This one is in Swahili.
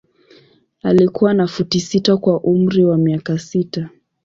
Alikuwa na futi sita kwa umri wa miaka sita.